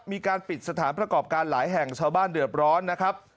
มีการปิดสถานประกอบการหลายแห่งชาวบ้านเดือดร้อนนะครับ